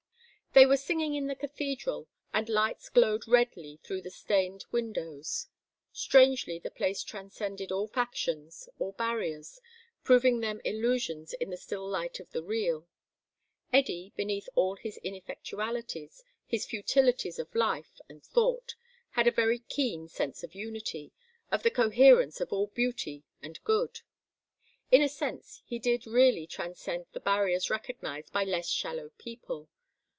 They were singing in the Cathedral, and lights glowed redly through the stained windows. Strangely the place transcended all factions, all barriers, proving them illusions in the still light of the Real. Eddy, beneath all his ineffectualities, his futilities of life and thought, had a very keen sense of unity, of the coherence of all beauty and good; in a sense he did really transcend the barriers recognised by less shallow people.